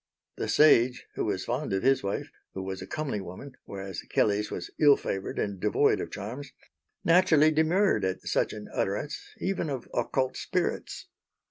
The sage, who was fond of his wife who was a comely woman, whereas Kelley's was ill favoured and devoid of charms naturally demurred at such an utterance even of occult spirits.